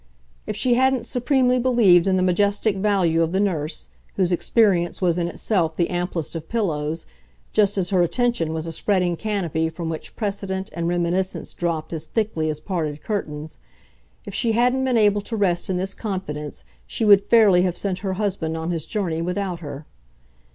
If she hadn't supremely believed in the majestic value of the nurse, whose experience was in itself the amplest of pillows, just as her attention was a spreading canopy from which precedent and reminiscence dropped as thickly as parted curtains if she hadn't been able to rest in this confidence she would fairly have sent her husband on his journey without her.